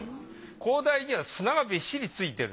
高台には砂がびっしりついてる。